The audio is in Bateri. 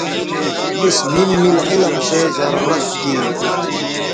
اس میل میل علم سو ضرورت تھی